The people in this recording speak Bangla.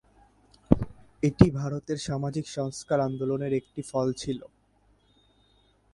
এটি ভারতের সামাজিক সংস্কার আন্দোলনের একটি ফল ছিল।